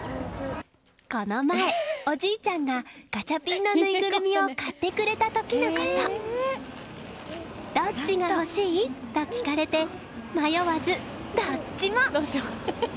この前、おじいちゃんがガチャピンのぬいぐるみを買ってくれた時のことどっちが欲しい？と聞かれて迷わずどっちも！